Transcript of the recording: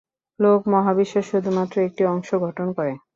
লোক মহাবিশ্ব শুধুমাত্র একটি অংশ গঠন করে।